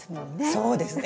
そうですね。